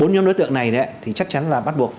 bốn nhóm đối tượng này thì chắc chắn là bắt buộc